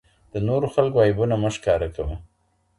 د نورو خلکو عیبونه مه ښکاره کوه.